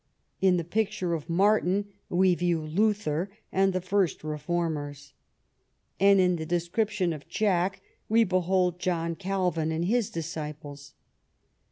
In the picture of Martin, we view Luther and the first Reformers. And in the description of Jack, we behold John Calvin and his disciples."